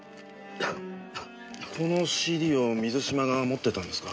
このＣＤを水嶋が持ってたんですか？